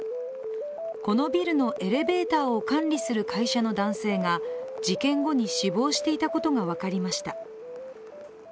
このビルのエレベーターを管理する会社の男性が事件後に死亡していたことが分かりました。